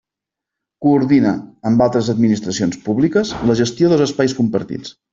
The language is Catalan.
Coordina amb altres administracions públiques la gestió dels espais compartits.